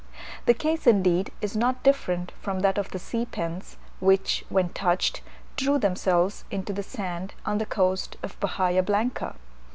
The case, indeed, is not different from that of the sea pens, which, when touched, drew themselves into the sand on the coast of Bahia Blanca.